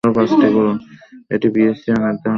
এটি পিএইচ নির্ধারণ করতে ব্যবহার করা যেতে পারে।